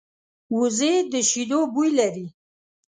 وزې د شیدو بوی لري